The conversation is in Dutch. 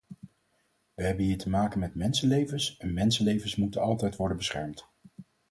We hebben hier te maken met mensenlevens en mensenlevens moeten altijd worden beschermd.